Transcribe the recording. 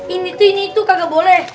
ini tuh ini itu kagak boleh